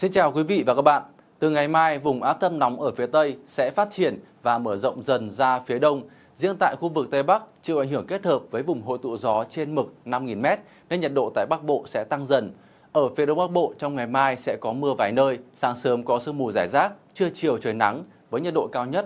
chào mừng quý vị đến với bộ phim hãy nhớ like share và đăng ký kênh để ủng hộ kênh của chúng mình nhé